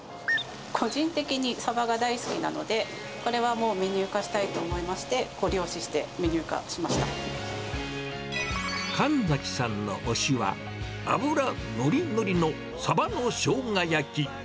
個人的にサバが大好きなので、これはもう、メニュー化したいと思いまして、神崎さんの推しは、脂のりのりの鯖のショウガ焼き。